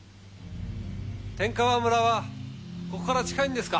天川村はここから近いんですか？